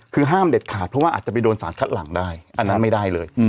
คือห้ามเด็ดขาดเพราะว่าอาจจะไปโดนสารคัดหลังได้อันนั้นไม่ได้เลย